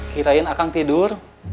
kirain akan tidur